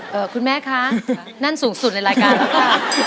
๑๐เพลงเนอะคุณแม่คะนั่นสูงสุดในรายการแล้วก็